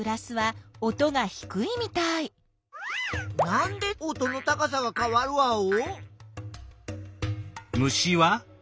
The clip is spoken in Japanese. なんで音の高さがかわるワオ？